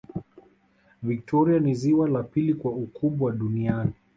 victoria ni ziwa la pili kwa ukubwa duniani